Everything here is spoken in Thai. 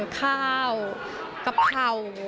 ข้าวกระเภา